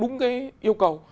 đúng yêu cầu